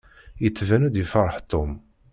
Yettbin-d yefṛeḥ Tom.